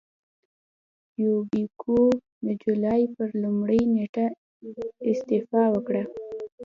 یوبیکو د جولای پر لومړۍ نېټه استعفا وکړه.